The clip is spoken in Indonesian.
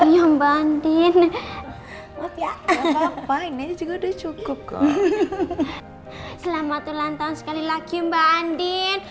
ya mbak andin ya apa apa ini juga udah cukup kok selamat ulang tahun sekali lagi mbak andin